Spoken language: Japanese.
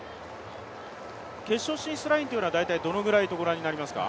決勝進出ラインというのは、大体どのぐらいとみられますか？